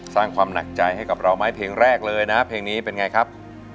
สร้างความหนักใจให้กับเราไหมเพลงแรกเลยนะเพลงนี้เป็นไงครับ